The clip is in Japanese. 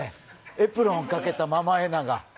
エプロンかけたママエナガ。